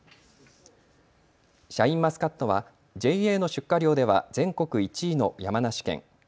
シャインマスカットはＪＡの出荷量では全国１位の山梨県。